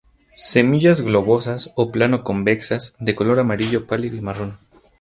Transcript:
Semillas globosas o plano-convexas, de color amarillo pálido y marrón.